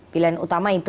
pilihan utama itu